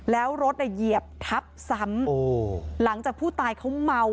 แล้วรถเหยียบทับซ้ำหลังจากผู้ตายเขาเมา